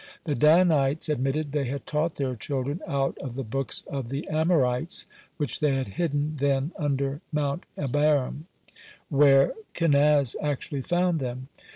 The Danites admitted, they had taught their children out of the books of the Amorites, which they had hidden then under Mount Abarim, (8) where Kenaz actually found them.